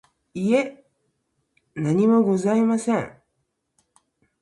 いえ、何もございません。